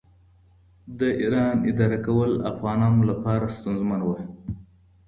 د ایران اداره کول افغانانو لپاره ستونزمن و.